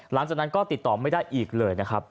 หลังจากนั้นก็ติดต่อไม่ได้อีกเลยนะครับ